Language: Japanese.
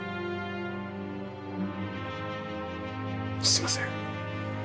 すいません。